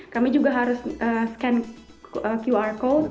kami juga harus scan qr code